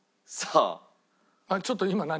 あっちょっと今何？